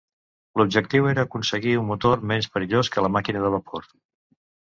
L'objectiu era aconseguir un motor menys perillós que la màquina de vapor.